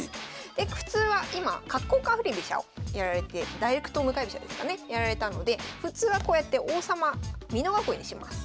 で普通は今角交換振り飛車をやられてダイレクト向かい飛車ですかねやられたので普通はこうやって王様美濃囲いにします。